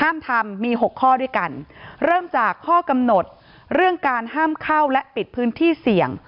ทำมีหกข้อด้วยกันเริ่มจากข้อกำหนดเรื่องการห้ามเข้าและปิดพื้นที่เสี่ยง